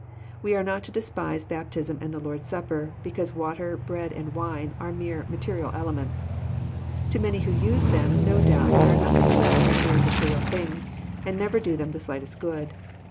We are not to despise Baptism and the Lord's Supper, because water, bread, and wine are mere material elements. To many who use them, no doubt they are nothing more than mere material things, and never do them the slightest good.